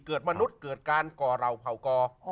เกิดมนุษย์เกิดการก่อเราเผาก่อ